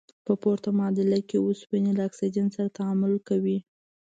په پورته معادله کې اوسپنې له اکسیجن سره تعامل کړی.